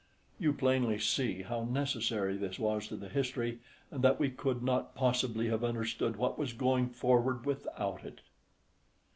You plainly see how necessary this was to the history, and that we could not possibly have understood what was going forward without it.